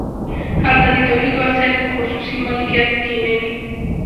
هلته د تولید وسایل په خصوصي مالکیت کې نه وي